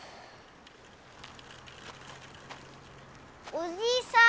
おじいさん。